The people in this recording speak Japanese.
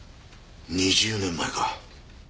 ２０年前か。